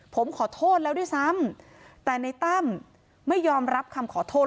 ผมขอโทษแล้วด้วยซ้ำแต่ในตั้มไม่ยอมรับคำขอโทษ